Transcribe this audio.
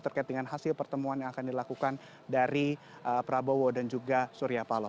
terkait dengan hasil pertemuan yang akan dilakukan dari prabowo dan juga surya paloh